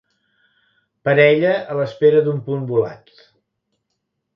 Parella a l'espera d'un punt volat.